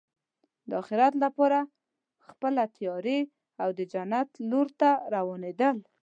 د اخرت لپاره خپله تیاری او د جنت لور ته روانېدل.